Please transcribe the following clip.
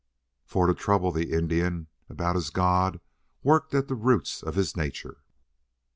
For to trouble the Indian about his god worked at the roots of his nature.